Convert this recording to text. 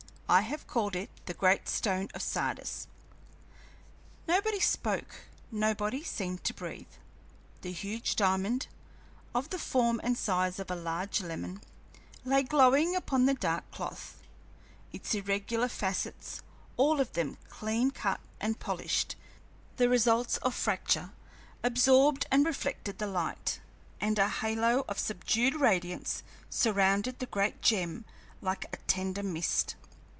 I have called it 'The Great Stone of Sardis.'" Nobody spoke, nobody seemed to breathe. The huge diamond, of the form and size of a large lemon, lay glowing upon the dark cloth, its irregular facets all of them clean cut and polished, the results of fracture absorbed and reflected the light, and a halo of subdued radiance surrounded the great gem like a tender mist.